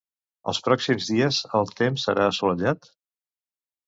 Els pròxims dies el temps serà assolellat?